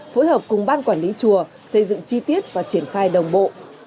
phối hợp cùng ban quản lý chùa xây dựng chi tiết và triển khai đồng bộ